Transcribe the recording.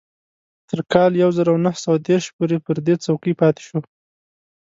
تر کال يو زر و نهه سوه دېرش پورې پر دې څوکۍ پاتې شو.